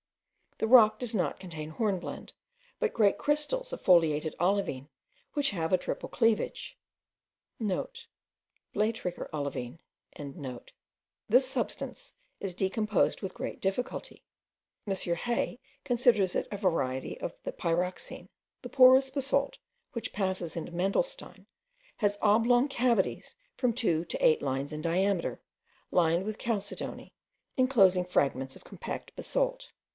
The rock does not contain hornblende, but great crystals of foliated olivine, which have a triple cleavage.* (* Blaettriger olivin.) This substance is decomposed with great difficulty. M. Hauy considers it a variety of the pyroxene. The porous basalt, which passes into mandelstein, has oblong cavities from two to eight lines in diameter, lined with chalcedony, enclosing fragments of compact basalt.